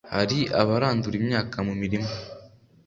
hari abarandura imyaka mu milima